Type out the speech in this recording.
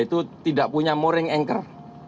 itu tidak punya moring anchor